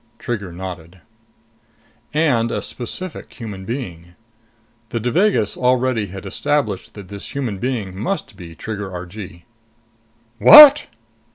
Trigger nodded. And a specific human being. The Devagas already had established that this human being must be Trigger Argee. "_What?